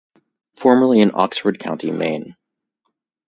Formerly in Oxford County, Maine.